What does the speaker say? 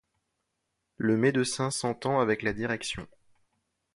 Le médecin s’entend avec la Direction...